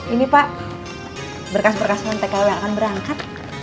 ini pak berkas berkasnya tkw yang akan berangkat